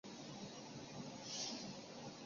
顶骨缺少中线骨架的最前缘。